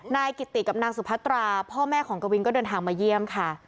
นายกิติกับนางสุพัตราพ่อแม่ของกวินก็เดินทางมาเยี่ยมค่ะ